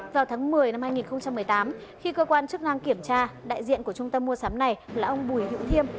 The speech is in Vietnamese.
vào tháng một mươi năm hai nghìn một mươi tám khi cơ quan chức năng kiểm tra đại diện của trung tâm mua sắm này là ông bùi hữu thiêm